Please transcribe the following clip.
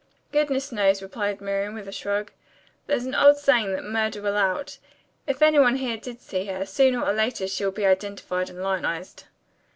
"Goodness knows," replied Miriam, with a shrug. "There's an old saying that 'murder will out.' If any one here did see her, sooner or later she'll be identified and lionized."